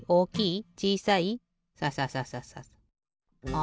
あ